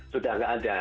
sudah nggak ada